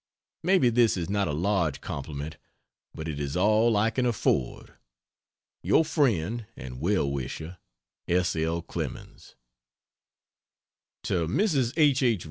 Maybe this is not a large compliment, but it is all I can afford..... Your friend and well wisher S. L. CLEMENS. To Mrs. H. H.